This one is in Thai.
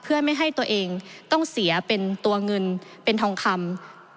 เพื่อไม่ให้ตัวเองต้องเสียเป็นตัวเงินเป็นทองคำ